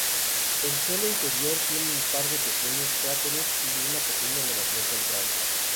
El suelo interior tiene un par de pequeños cráteres y una pequeña elevación central.